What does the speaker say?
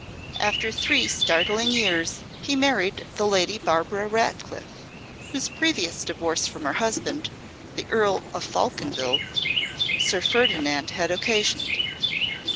After three startling years he married the Lady Barbara Ratcliffe, whose previous divorce from her husband, the Earl of Faulconville, Sir Ferdinand had occasioned.